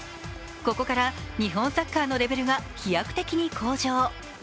ここから日本サッカーのレベルが飛躍的に向上。